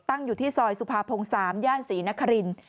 ตั้งอยู่ที่ซอยสุภาพงศ์๓ย่านศรีนครินทร์